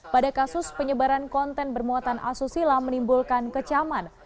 pada kasus penyebaran konten bermuatan asusila menimbulkan kecaman